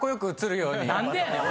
何でやねん！